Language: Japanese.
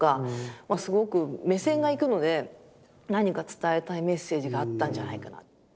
すごく目線が行くので何か伝えたいメッセージがあったんじゃないかな。